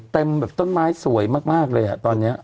เต็มแบบต้นไม้สวยมากเลยอ่ะตอนเนี่ย